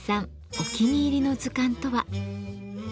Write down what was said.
お気に入りの図鑑とは？